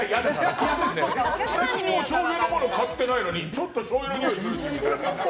しょうゆのもの買ってないのにちょっとしょうゆのにおいするみたいな。